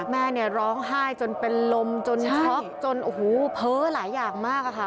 แม่ร้องไห้จนเป็นลมจนช็อกจนเผ้อหลายอย่างมากค่ะ